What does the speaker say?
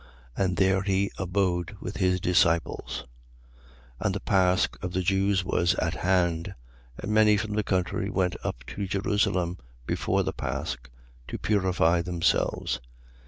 And there he abode with his disciples. 11:55. And the pasch of the Jews was at hand: and many from the country went up to Jerusalem, before the pasch, to purify themselves.